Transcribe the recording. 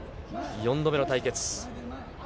４度目の対決。